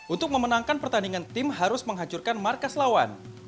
untuk memenangkan pertandingan tim harus menghancurkan markas lawan